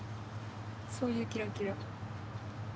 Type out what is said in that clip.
そういうキラキラ。